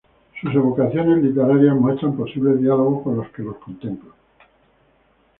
Sus evocaciones literarias muestran posibles diálogos con los que los contemplan.